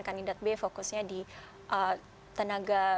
kandidat b fokusnya di tenaga